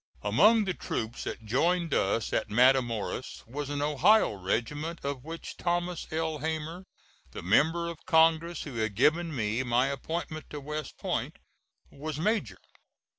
Among the troops that joined us at Matamoras was an Ohio regiment, of which Thomas L. Hamer, the Member of Congress who had given me my appointment to West Point, was major.